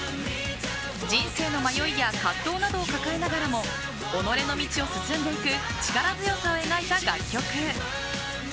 人生の迷いや葛藤などを抱えながらも己の道を進んでいく力強さを描いた楽曲。